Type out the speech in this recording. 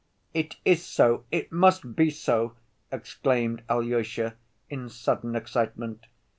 "It is so, it must be so," exclaimed Alyosha, in sudden excitement.